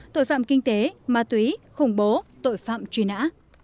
tội phạm kinh tế ma túy khủng bố tội phạm truy nã